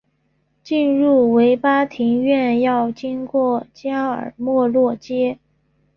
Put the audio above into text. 进入维巴庭园要经过加尔默罗街。